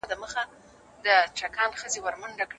غیر مسلمان هم د خپل مذهب پیروي کولای سي.